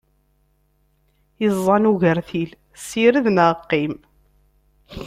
Iẓẓan n ugertil, sired neɣ qqim!